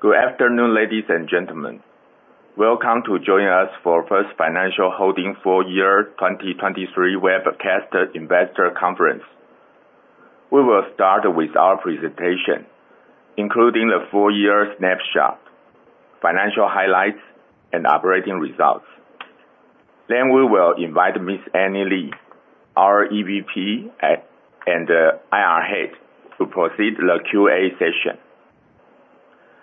Good afternoon, ladies and gentlemen. Welcome to join us for First Financial Holding full year 2023 Webcast Investor Conference. We will start with our presentation, including the full year snapshot, financial highlights, and operating results. Then we will invite Ms. Annie Lee, our EVP and IR Head to proceed the Q&A session.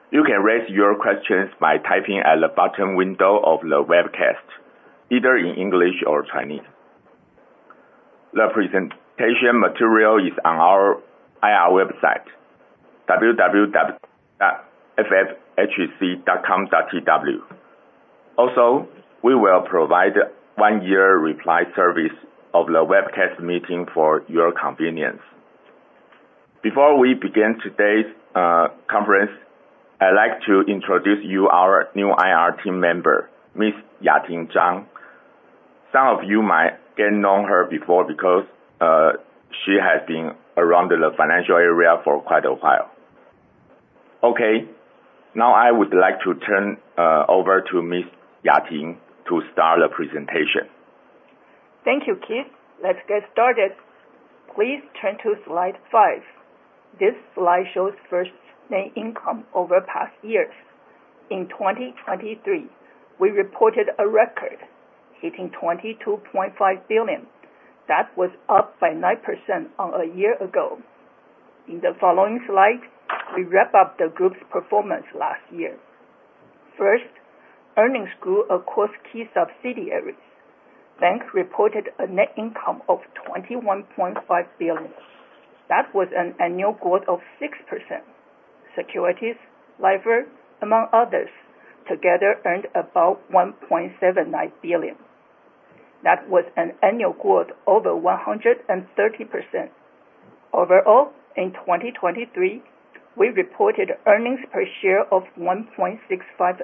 You can raise your questions by typing at the bottom window of the webcast, either in English or Chinese. The presentation material is on our IR website, www.ffhc.com.tw. Also, we will provide one-year reply service of the webcast meeting for your convenience. Before we begin today's conference, I'd like to introduce you our new IR team member, Ms. Yating Chang. Some of you might get know her before because she has been around the financial area for quite a while. Okay. Now I would like to turn over to Ms. Yating to start the presentation. Thank you, Keith. Let's get started. Please turn to slide five. This slide shows First's net income over past years. In 2023, we reported a record, hitting 22.5 billion. That was up by 9% on a year ago. In the following slide, we wrap up the group's performance last year. First, earnings grew across key subsidiaries. Bank reported a net income of 21.5 billion. That was an annual growth of 6%. Securities, Lifer, among others, together earned about 1.79 billion. That was an annual growth over 130%. Overall, in 2023, we reported earnings per share of 1.65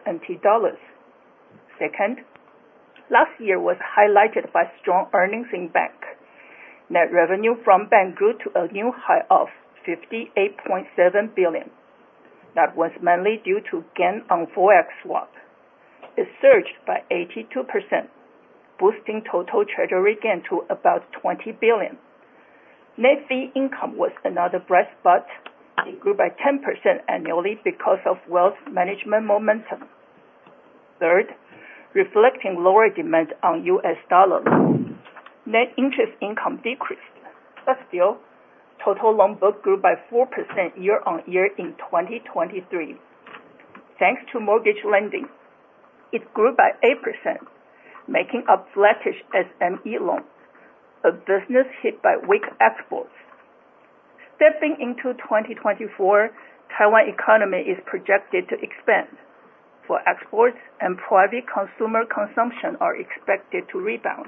NT dollars. Second, last year was highlighted by strong earnings in bank. Net revenue from bank grew to a new high of 58.7 billion. That was mainly due to gain on forex swap. It surged by 82%, boosting total treasury gain to about 20 billion. Net fee income was another bright spot. It grew by 10% annually because of wealth management momentum. Third, reflecting lower demand on US dollars, net interest income decreased. Still, total loan book grew by 4% year-on-year in 2023. Thanks to mortgage lending, it grew by 8%, making up sluggish SME loans, a business hit by weak exports. Stepping into 2024, Taiwan economy is projected to expand, for exports and private consumer consumption are expected to rebound.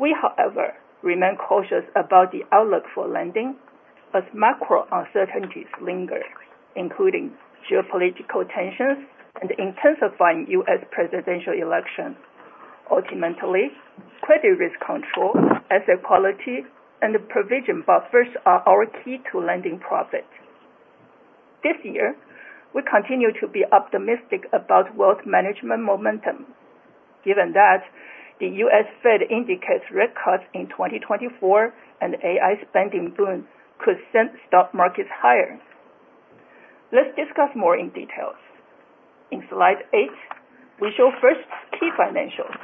We, however, remain cautious about the outlook for lending as macro uncertainties linger, including geopolitical tensions and intensifying U.S. presidential election. Ultimately, credit risk control, asset quality, and provision buffers are our key to lending profit. This year, we continue to be optimistic about wealth management momentum, given that the U.S. Fed indicates rate cuts in 2024 and AI spending boom could send stock markets higher. Let's discuss more in details. In slide eight, we show First's key financials.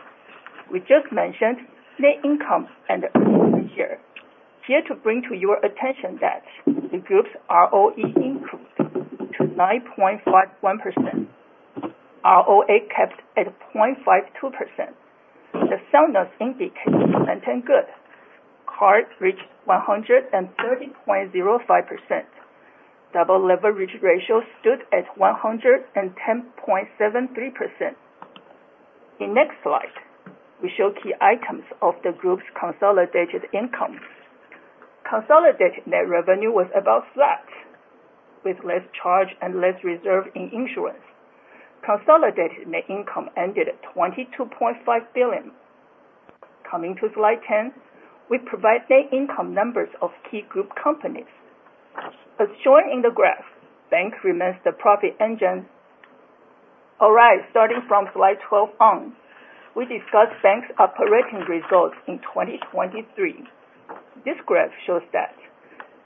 We just mentioned net income and earnings per share. Here to bring to your attention that the group's ROE increased to 9.51%. ROA kept at 0.52%. The soundness indicators maintained good. CAR reached 130.05%. Double leverage ratio stood at 110.73%. In next slide, we show key items of the group's consolidated income. Consolidated net revenue was about flat. With less charge and less reserve in insurance, consolidated net income ended at 22.5 billion. Coming to slide 10, we provide net income numbers of key group companies. As shown in the graph, bank remains the profit engine. All right. Starting from slide 12 on, we discuss bank's operating results in 2023. This graph shows that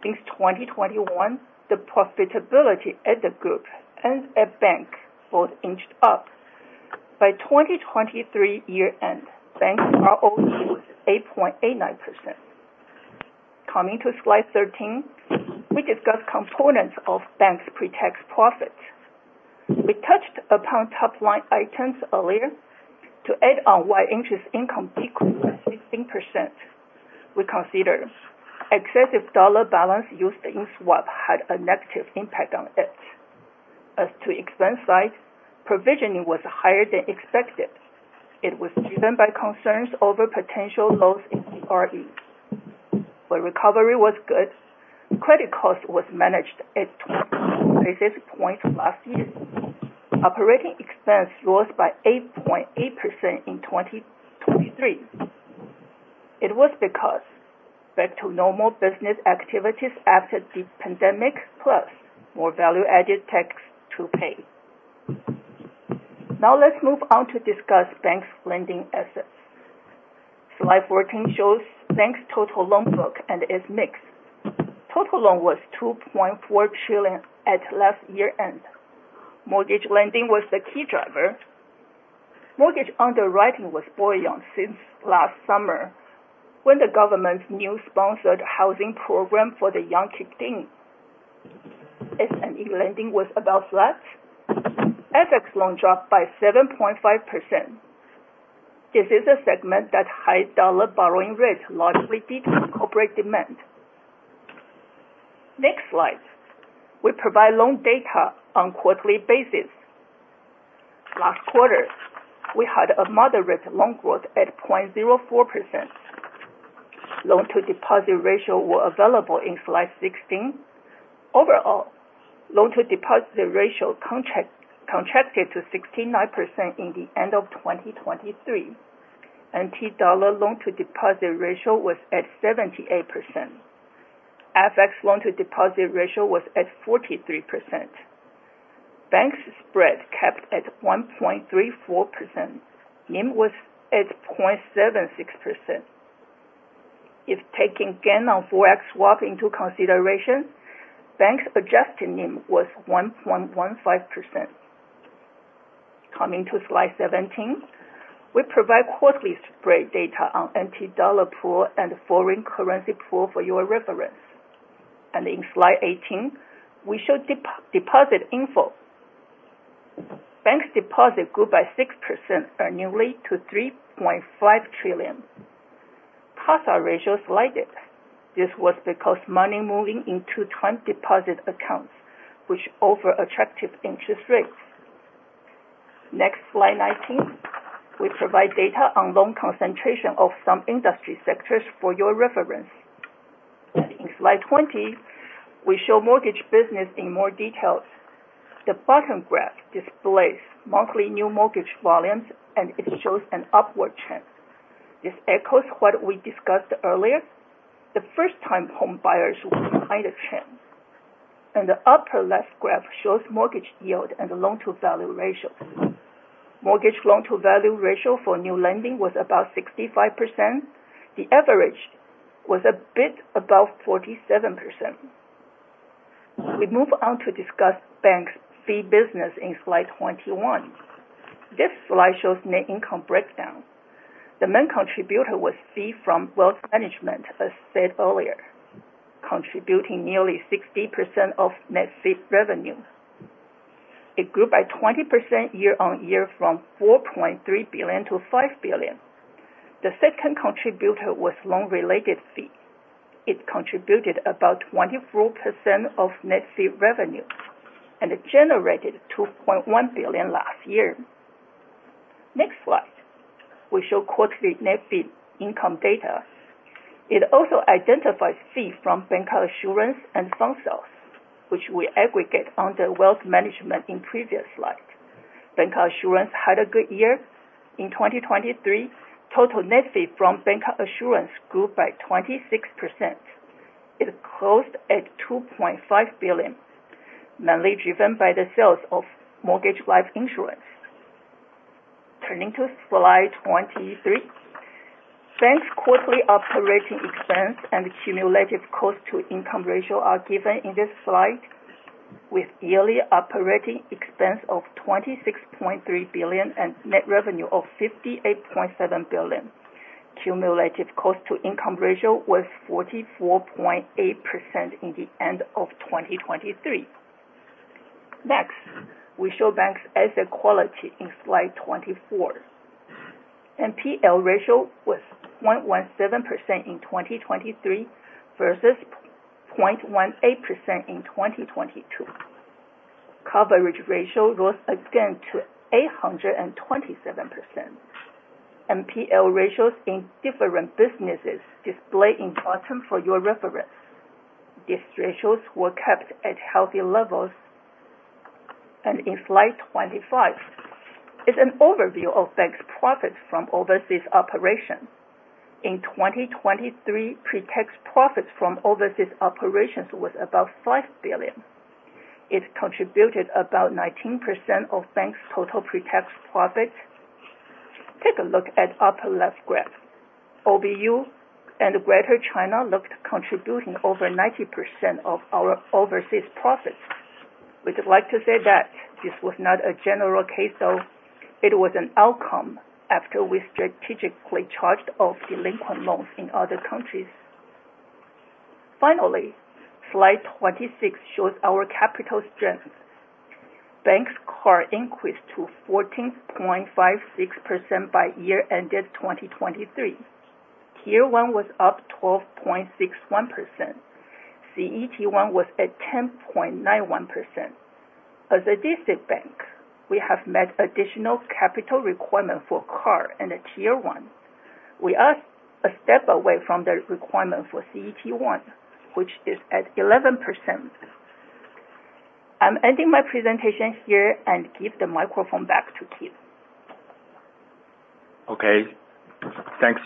since 2021, the profitability at the group and at bank both inched up. By 2023 year-end, bank's ROE was 8.89%. Coming to slide 13, we discuss components of bank's pre-tax profits. We touched upon top-line items earlier. To add on why interest income decreased by 16%, we consider excessive USD balance used in swap had a negative impact on it. As to expense side, provisioning was higher than expected. It was driven by concerns over potential loss in CRE. Recovery was good. Credit cost was managed at 20 basis points last year. Operating expense rose by 8.8% in 2023. It was because back to normal business activities after the pandemic, plus more value-added tax to pay. Let's move on to discuss bank's lending assets. Slide 14 shows bank's total loan book and its mix. Total loan was 2.4 trillion at last year-end. Mortgage lending was the key driver. Mortgage underwriting was buoyant since last summer, when the government's new sponsored housing program for the young kicked in. SME lending was about flat. FX loan dropped by 7.5%. This is a segment that high USD borrowing rates largely deter corporate demand. Next slide. We provide loan data on quarterly basis. Last quarter, we had a moderate loan growth at 0.04%. Loan to deposit ratios were available in slide 16. Overall, loan to deposit ratio contracted to 69% in the end of 2023. NT dollar loan to deposit ratio was at 78%. FX loan to deposit ratio was at 43%. Bank spread kept at 1.34%. NIM was at 0.76%. If taking gain on forex swap into consideration, bank's adjusted NIM was 1.15%. Coming to slide 17. We provide quarterly spread data on NT dollar pool and foreign currency pool for your reference. In slide 18, we show deposit info. Bank deposit grew by 6% annually to 3.5 trillion. CASA ratios lagged. This was because money moving into time deposit accounts, which offer attractive interest rates. Next, slide 19, we provide data on loan concentration of some industry sectors for your reference. In slide 20, we show mortgage business in more details. The bottom graph displays monthly new mortgage volumes, and it shows an upward trend. This echoes what we discussed earlier. The first time home buyers were behind the trend. The upper left graph shows mortgage yield and the loan to value ratio. Mortgage loan to value ratio for new lending was about 65%. The average was a bit above 47%. We move on to discuss bank fee business in slide 21. This slide shows net income breakdown. The main contributor was fee from wealth management, as said earlier, contributing nearly 60% of net fee revenue. It grew by 20% year-on-year from 4.3 billion to 5 billion. The second contributor was loan-related fee. It contributed about 24% of net fee revenue, and it generated 2.1 billion last year. Next slide. We show quarterly net fee income data. It also identifies fee from bancassurance and fund sales, which we aggregate under wealth management in previous slide. Bancassurance had a good year. In 2023, total net fee from bancassurance grew by 26%. It closed at 2.5 billion, mainly driven by the sales of mortgage life insurance. Turning to slide 23. Bank's quarterly operating expense and cumulative cost to income ratio are given in this slide with yearly operating expense of 26.3 billion and net revenue of 58.7 billion. Cumulative cost to income ratio was 44.8% in the end of 2023. Next, we show bank's asset quality in slide 24. NPL ratio was 0.17% in 2023 versus 0.18% in 2022. Coverage ratio rose again to 827%. NPL ratios in different businesses display in bottom for your reference. These ratios were kept at healthy levels. In slide 25 is an overview of bank's profits from overseas operations. In 2023, pre-tax profits from overseas operations was above 5 billion. It contributed about 19% of bank's total pre-tax profits. Take a look at upper left graph. OBU and Greater China looked contributing over 90% of our overseas profits. We'd like to say that this was not a general case, though, it was an outcome after we strategically charged off delinquent loans in other countries. Finally, slide 26 shows our capital strength. Bank's CAR increased to 14.56% by year ended 2023. Tier 1 was up 12.61%. CET1 was at 10.91%. As a designated bank, we have met additional capital requirement for CAR and the Tier 1. We are a step away from the requirement for CET1, which is at 11%. I'm ending my presentation here and give the microphone back to Keith. Okay. Thanks,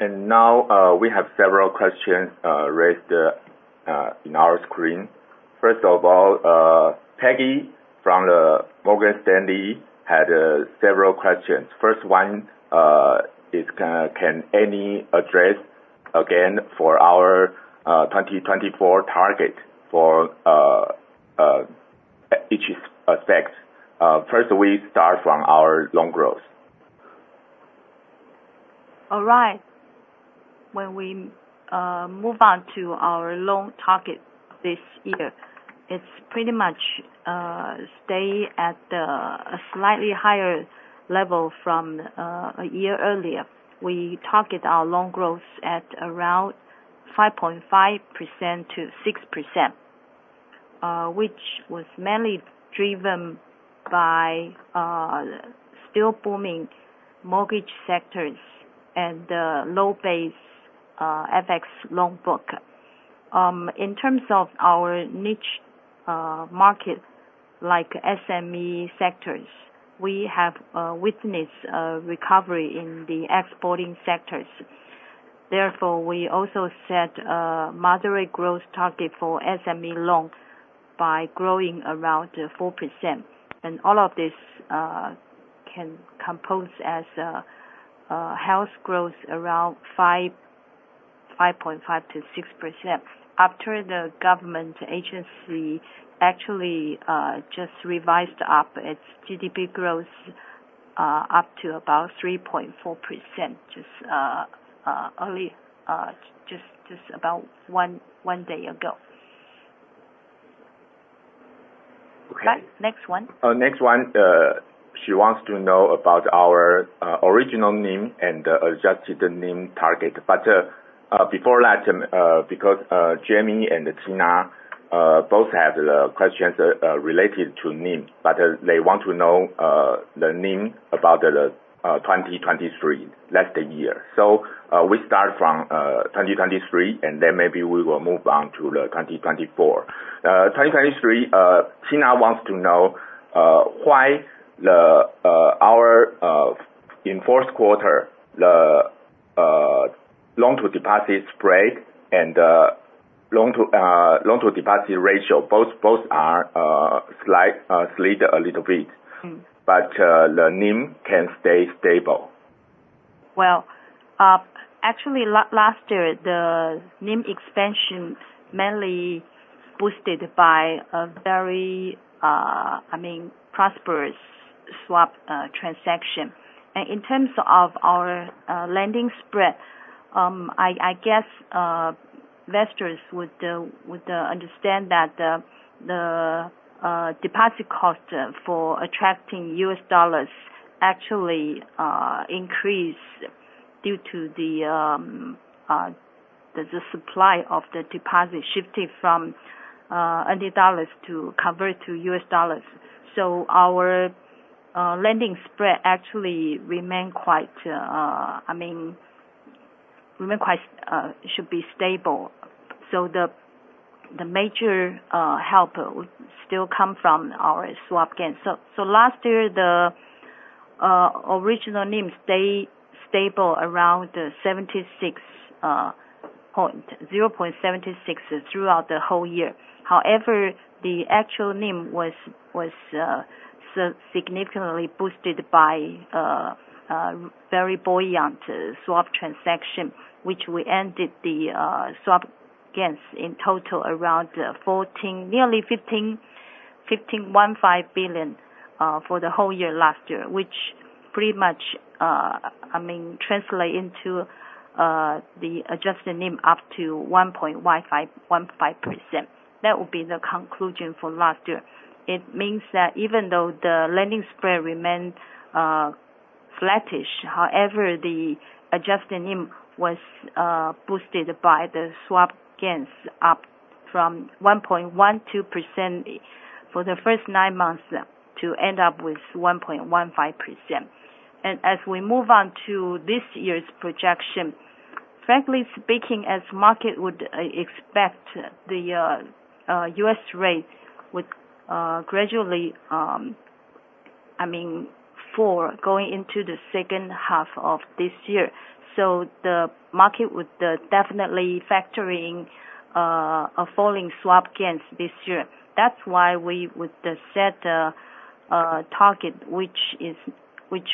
Yating. Now, we have several questions raised in our screen. First of all, Peggy from Morgan Stanley had several questions. First one is, can Annie address again for our 2024 target for each effect? First, we start from our loan growth. All right. When we move on to our loan target this year, it pretty much stays at a slightly higher level from a year earlier. We target our loan growth at around 5.5%-6%, which was mainly driven by still booming mortgage sectors and the low base FX loan book. In terms of our niche markets like SME sectors, we have witnessed a recovery in the exporting sectors. Therefore, we also set a moderate growth target for SME loans by growing around 4%. All of this can compose as a health growth around 5.5%-6%, after the government agency actually just revised up its GDP growth up to about 3.4% just about one day ago. Okay. Next one. Next one, she wants to know about our original NIM and adjusted NIM target. Before that, because Jimmy and Tina both have questions related to NIM, but they want to know the NIM about 2023, last year. We start from 2023, maybe we will move on to 2024. 2023, Tina wants to know why in the fourth quarter, the loan-to-deposit spread and the loan-to-deposit ratio, both slid a little bit. The NIM can stay stable. Actually last year, the NIM expansion mainly boosted by a very prosperous swap transaction. In terms of our lending spread, I guess investors would understand that the deposit cost for attracting U.S. dollars actually increased due to the supply of the deposit shifting from TWD to convert to U.S. dollars. Our lending spread actually should be stable. The major help would still come from our swap gain. Last year, the original NIM stayed stable around 0.76% throughout the whole year. However, the actual NIM was significantly boosted by a very buoyant swap transaction, which we ended the swap gains in total around nearly 15.15 billion for the whole year last year, which pretty much translates into the adjusted NIM up to 1.15%. That would be the conclusion for last year. It means that even though the lending spread remained flattish, the adjusted NIM was boosted by the swap gains up from 1.12% for the first nine months to end up with 1.15%. As we move on to this year's projection, frankly speaking, as market would expect, the U.S. rate would gradually fall going into the second half of this year. The market would definitely be factoring a falling swap gains this year. That is why we would set a target which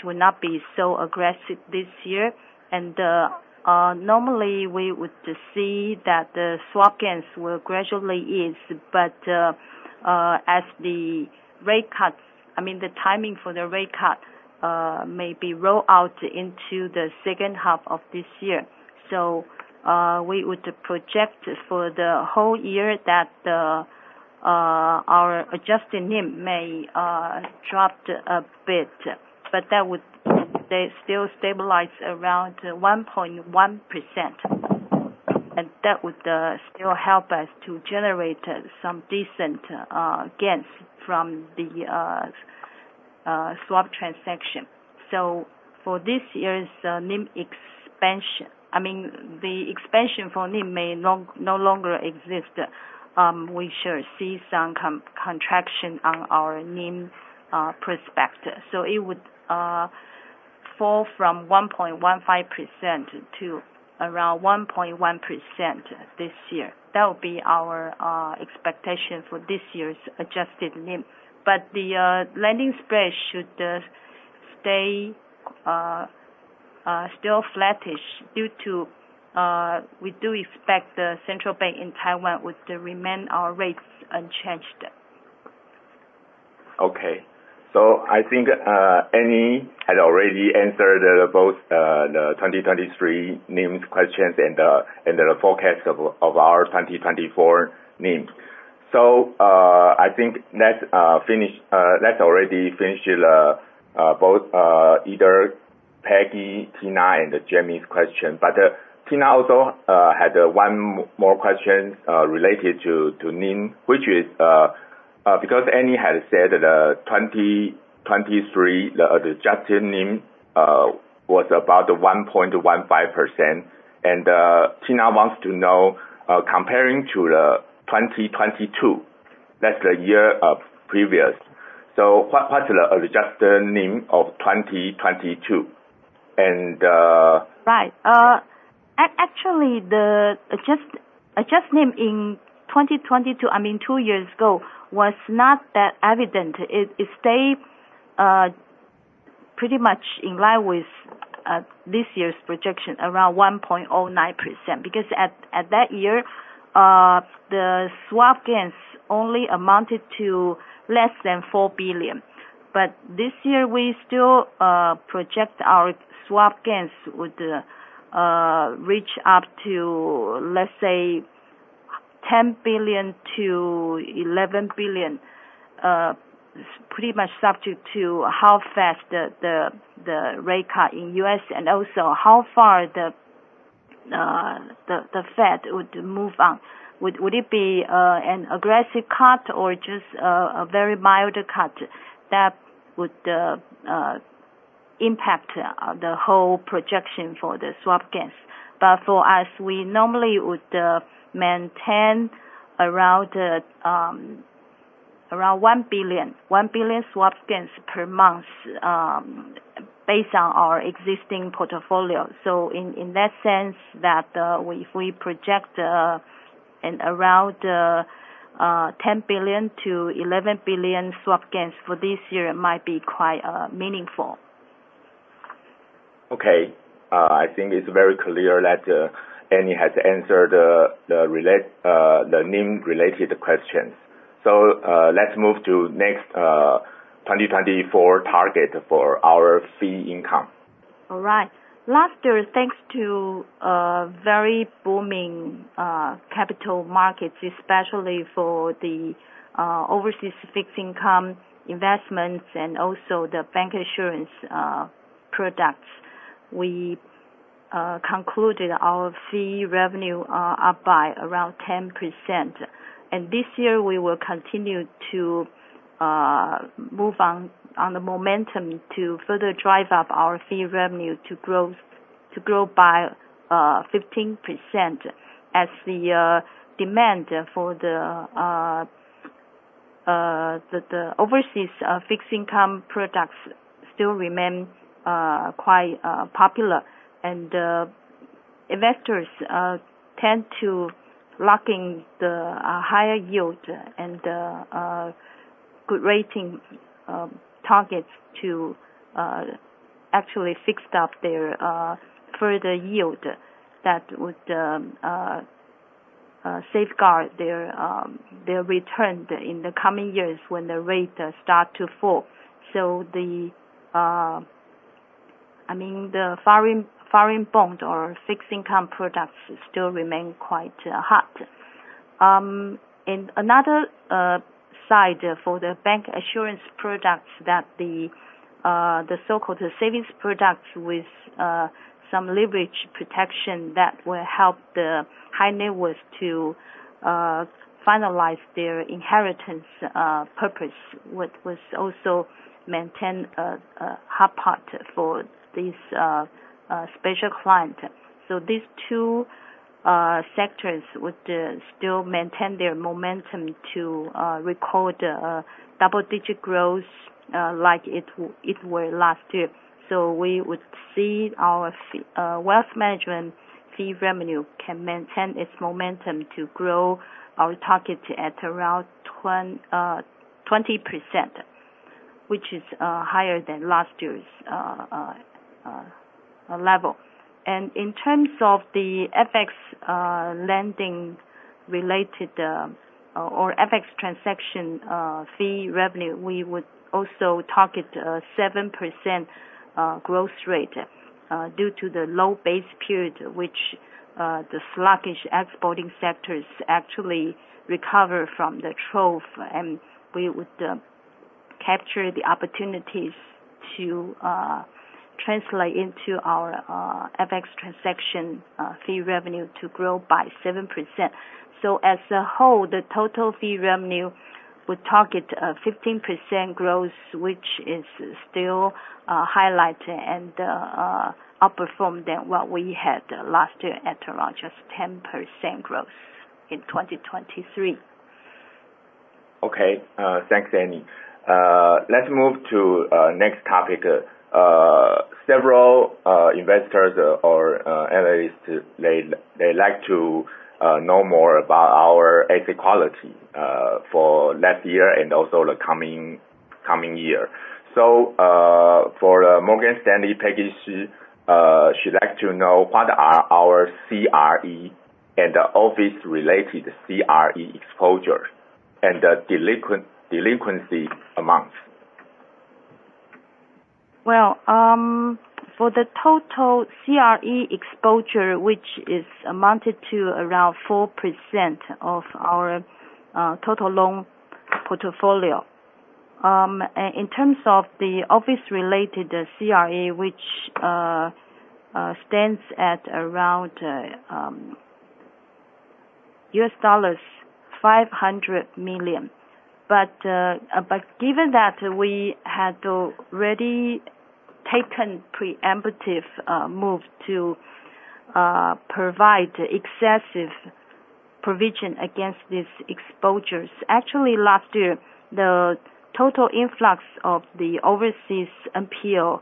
would not be so aggressive this year. Normally, we would see that the swap gains will gradually ease. As the timing for the rate cut may be rolled out into the second half of this year. We would project for the whole year that our adjusted NIM may drop a bit. That would still stabilize around 1.1%, and that would still help us to generate some decent gains from the swap transaction. For this year's NIM expansion, the expansion for NIM may no longer exist. We should see some contraction on our NIM perspective. It would fall from 1.15% to around 1.1% this year. That will be our expectation for this year's adjusted NIM. The lending spread should stay still flattish due to, we do expect the central bank in Taiwan would remain our rates unchanged. I think Annie had already answered both the 2023 NIM questions and the forecast of our 2024 NIM. I think that is already finished both either Peggy, Tina, and Jimmy's question. Tina also had one more question related to NIM, which is because Annie had said that 2023, the adjusted NIM was about 1.15%. Tina wants to know, comparing to 2022, that is the year of previous. What is the adjusted NIM of 2022? Right. Actually, the adjusted NIM in 2022, two years ago, was not that evident. It stayed pretty much in line with this year's projection, around 1.09%, because at that year, the swap gains only amounted to less than $4 billion. This year, we still project our swap gains would reach up to, let's say, $10 billion-$11 billion. It is pretty much subject to how fast the rate cut in U.S. and also how far the Fed would move on. Would it be an aggressive cut or just a very mild cut? That would impact the whole projection for the swap gains. For us, we normally would maintain around $1 billion swap gains per month based on our existing portfolio. In that sense, if we project around $10 billion-$11 billion swap gains for this year, it might be quite meaningful. Okay. I think it is very clear that Annie has answered the NIM related questions. Let's move to next 2024 target for our fee income. All right. Last year, thanks to very booming capital markets, especially for the overseas fixed income investments and also the bank insurance products, we concluded our fee revenue up by around 10%. This year, we will continue to move on the momentum to further drive up our fee revenue to grow by 15% as the demand for the overseas fixed income products still remain quite popular. Investors tend to lock in the higher yield and good rating targets to actually fix up their further yield that would safeguard their return in the coming years when the rates start to fall. The foreign bond or fixed income products still remain quite hot. On another side for the bank assurance products that the so-called savings product with some leverage protection that will help the high net worth to finalize their inheritance purpose, which was also maintain a hot spot for these special clients. These two sectors would still maintain their momentum to record a double-digit growth like it was last year. We would see our wealth management fee revenue can maintain its momentum to grow our target at around 20%, which is higher than last year's level. In terms of the FX lending related or FX transaction fee revenue, we would also target a 7% growth rate due to the low base period, which the sluggish exporting sectors actually recover from the trough, and we would capture the opportunities to translate into our FX transaction fee revenue to grow by 7%. As a whole, the total fee revenue would target a 15% growth, which is still highlighted and outperform than what we had last year at around just 10% growth in 2023. Okay. Thanks, Annie. Let's move to next topic. Several investors or analysts, they'd like to know more about our asset quality for last year and also the coming year. For Morgan Stanley, Peggy Shiu, she'd like to know what are our CRE and office-related CRE exposures and the delinquency amounts. Well, for the total CRE exposure, which is amounted to around 4% of our total loan portfolio. In terms of the office related CRE, which stands at around US$500 million. Given that we had already taken preemptive move to provide excessive provision against these exposures. Actually, last year, the total influx of the overseas NPL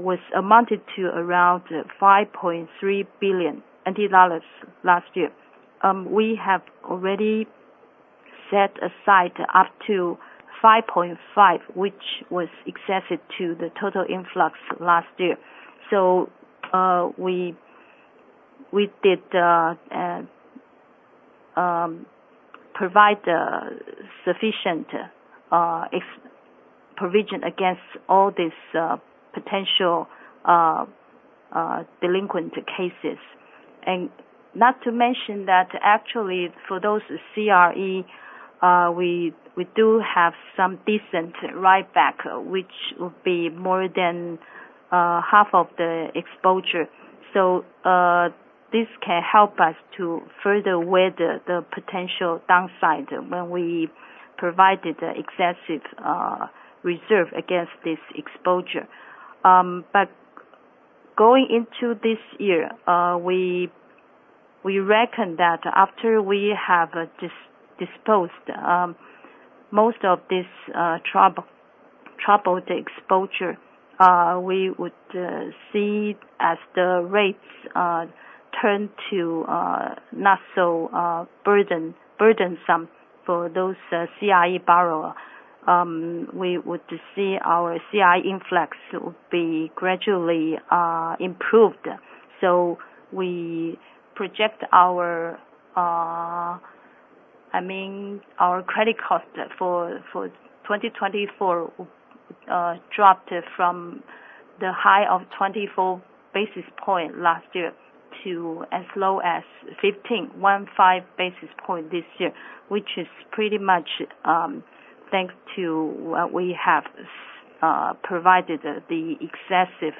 was amounted to around 5.3 billion NT dollars last year. We have already set aside up to 5.5 billion, which was excessive to the total influx last year. We did provide sufficient provision against all these potential delinquent cases. Not to mention that actually for those CRE, we do have some decent ride back, which will be more than half of the exposure. This can help us to further weather the potential downside when we provided excessive reserve against this exposure. Going into this year, we reckon that after we have disposed most of this troubled exposure, we would see as the rates turn to not so burdensome for those CRE borrower. We would see our CRE influx would be gradually improved. We project our credit cost for 2024 dropped from the high of 24 basis point last year to as low as 15, one five, basis point this year, which is pretty much thanks to what we have provided the excessive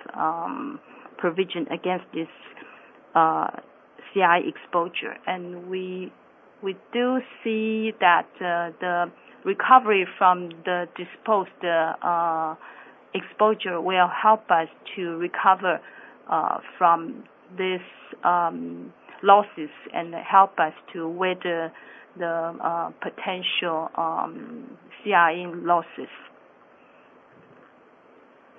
provision against this CRE exposure. We do see that the recovery from the disposed exposure will help us to recover from these losses and help us to weather the potential CRE losses.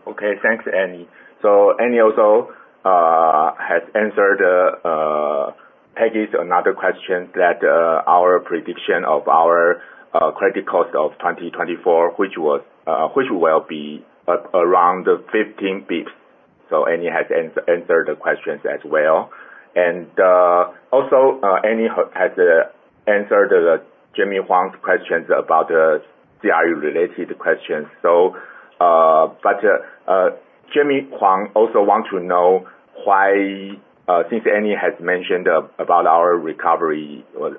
Okay. Thanks, Annie. Annie also has answered Peggy's another question that our prediction of our credit cost of 2024, which will be around 15 basis points. Annie has answered the questions as well. Also, Annie has answered Jimmy Huang's questions about CRE related questions. Jimmy Huang also want to know why Since Annie has mentioned about our recovery was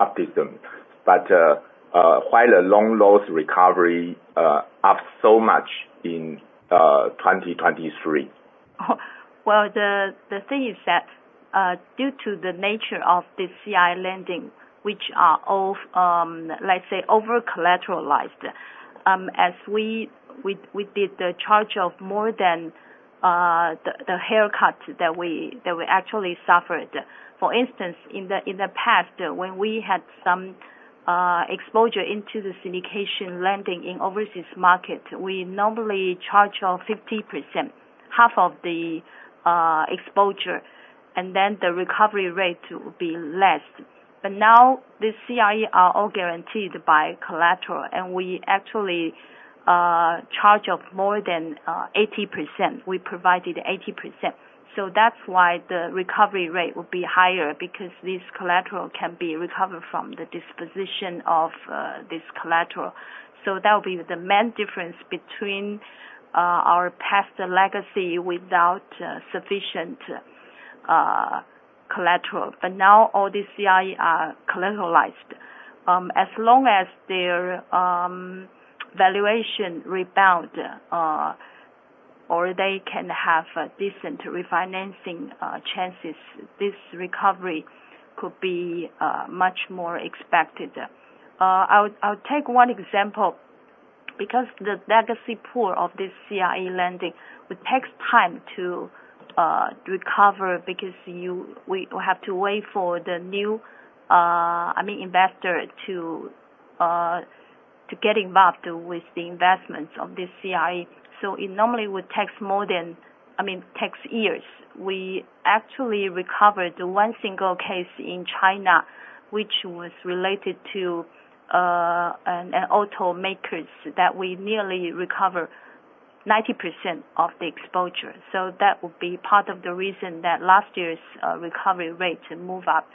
optimism, but why the loan loss recovery up so much in 2023? Well, the thing is that due to the nature of the CRE lending, which are, let's say, over-collateralized, as we did the charge of more than the haircut that we actually suffered. For instance, in the past, when we had some exposure into the syndication lending in overseas market, we normally charge of 50%, half of the exposure, and then the recovery rate will be less. Now, the CRE are all guaranteed by collateral, and we actually charge of more than 80%. We provided 80%. That's why the recovery rate will be higher because this collateral can be recovered from the disposition of this collateral. That will be the main difference between our past legacy without sufficient collateral. Now all the CRE are collateralized. As long as their valuation rebound, or they can have decent refinancing chances, this recovery could be much more expected. I'll take one example. The legacy pool of this CRE lending, it takes time to recover because we have to wait for the new investor to get involved with the investments of this CRE. It normally takes years. We actually recovered one single case in China, which was related to an automakers, that we nearly recover 90% of the exposure. That will be part of the reason that last year's recovery rates move up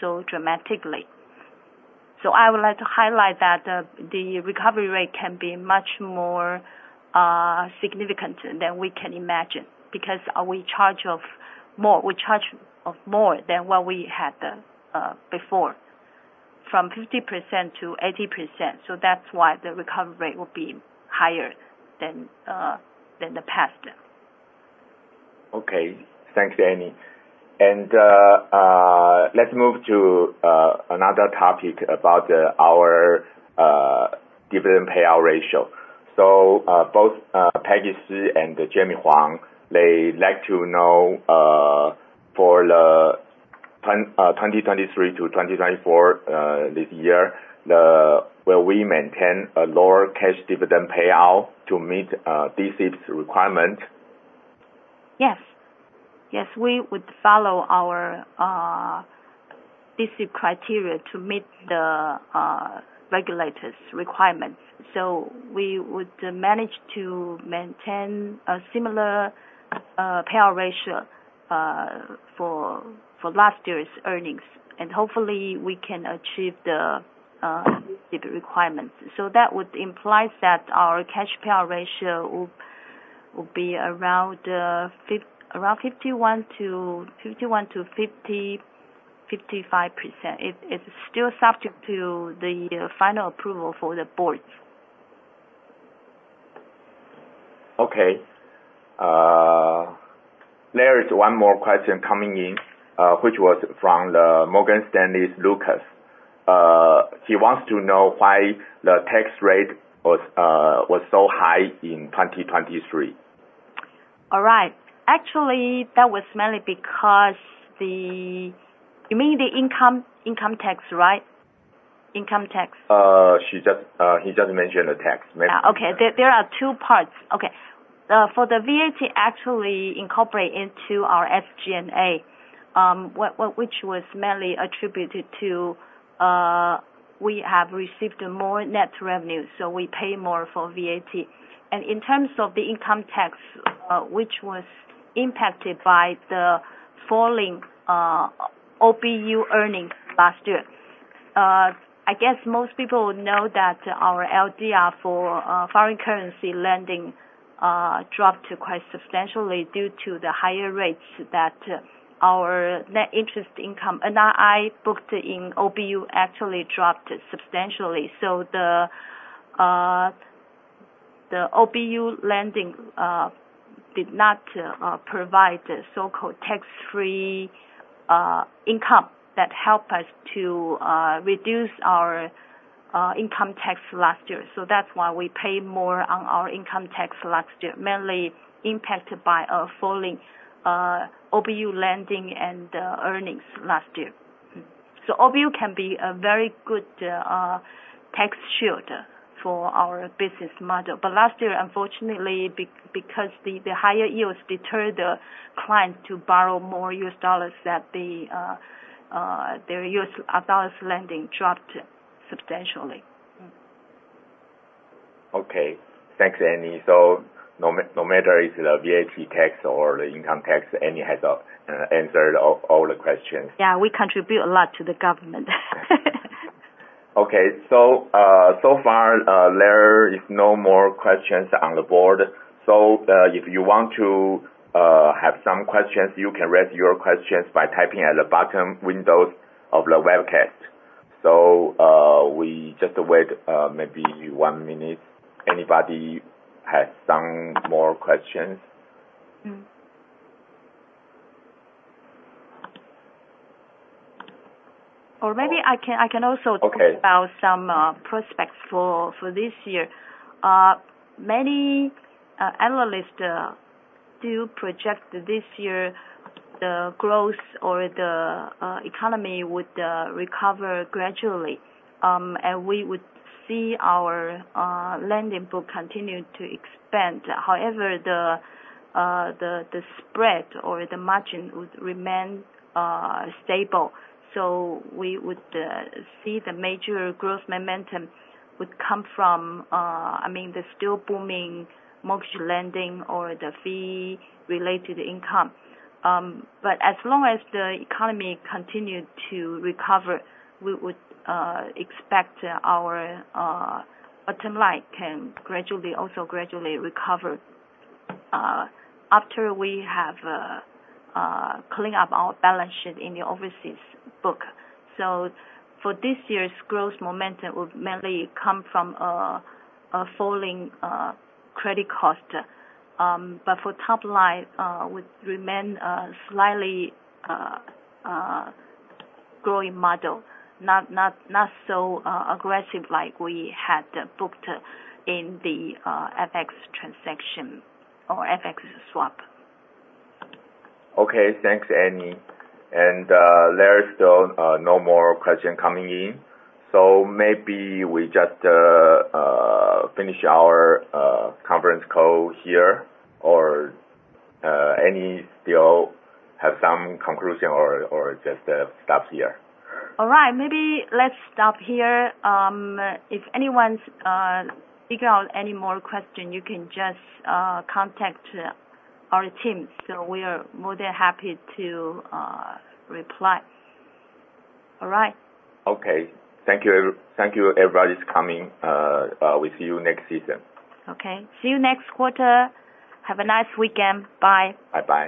so dramatically. I would like to highlight that the recovery rate can be much more significant than we can imagine, because we charge of more than what we had before, from 50% to 80%. That's why the recovery rate will be higher than the past. Okay. Thanks, Annie. Let's move to another topic about our dividend payout ratio. Both Peggy Si and Jimmy Huang, they like to know for the 2023 to 2024 this year, will we maintain a lower cash dividend payout to meet D-SIB's requirement? Yes. Yes, we would follow our D-SIB criteria to meet the regulator's requirements. We would manage to maintain a similar payout ratio for last year's earnings, and hopefully we can achieve the D-SIB requirements. That would imply that our cash payout ratio will be around 51%-55%. It's still subject to the final approval for the boards. Okay. There is one more question coming in, which was from the Morgan Stanley's Lucas. He wants to know why the tax rate was so high in 2023. All right. Actually, that was mainly because the You mean the income tax, right? Income tax. He doesn't mention the tax, maybe. There are two parts. The VAT actually incorporated into our SG&A, which was mainly attributed to we have received more net revenue, so we pay more for VAT. In terms of the income tax, which was impacted by the falling OBU earning last year. I guess most people know that our LDR for foreign currency lending dropped quite substantially due to the higher rates that our net interest income, NII booked in OBU actually dropped substantially. The OBU lending did not provide the so-called tax-free income that helped us to reduce our income tax last year. That is why we pay more on our income tax last year, mainly impacted by a falling OBU lending and earnings last year. OBU can be a very good tax shield for our business model. Last year, unfortunately, because the higher yields deterred the client to borrow more US dollars, that their US dollars lending dropped substantially. Thanks, Annie. No matter is the VAT tax or the income tax, Annie has answered all the questions. Yeah, we contribute a lot to the government. Okay. So far, there is no more questions on the board. If you want to have some questions, you can raise your questions by typing at the bottom windows of the webcast. We just wait maybe one minute. Anybody has some more questions? Maybe I can also talk about some prospects for this year. Many analysts do project this year the growth or the economy would recover gradually. We would see our lending book continue to expand. However, the spread or the margin would remain stable. We would see the major growth momentum would come from the still booming mortgage lending or the fee related income. As long as the economy continue to recover, we would expect our bottom line can also gradually recover after we have cleaned up our balance sheet in the overseas book. For this year's growth momentum will mainly come from a falling credit cost. For top line, will remain slightly growing model. Not so aggressive like we had booked in the FX transaction or FX swap. Okay, thanks, Annie. There is still no more question coming in. Maybe we just finish our conference call here, or Annie still have some conclusion or just stop here? All right. Maybe let's stop here. If anyone's figure out any more question, you can just contact our team. We are more than happy to reply. All right. Okay. Thank you everybody's coming. We'll see you next season. Okay. See you next quarter. Have a nice weekend. Bye. Bye-bye.